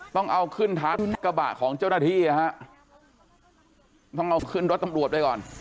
ต้องเอาขึ้นท้ายกระบะของเจ้าหน้าที่นะฮะต้องเอาขึ้นรถตำรวจไปก่อน